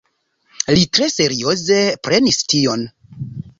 Li tre serioze prenis tion.